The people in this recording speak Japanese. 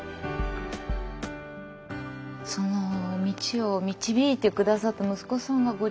その道を導いて下さった息子さんがご立派でね。よかった。